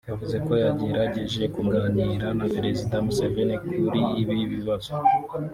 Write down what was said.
yavuze ko yagerageje kuganira na Perezida Museveni kuri ibi bibazo